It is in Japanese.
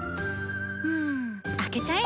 うん開けちゃえ。